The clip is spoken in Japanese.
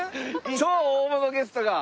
超大物ゲストが。